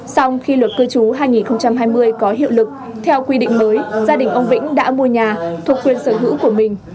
sau khi luật cư trú hai nghìn hai mươi có hiệu lực theo quy định mới gia đình ông vĩnh đã mua nhà thuộc quyền sở hữu của mình